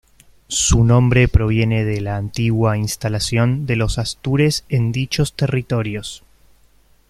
Su nombre proviene de la antigua instalación de los astures en dichos territorios.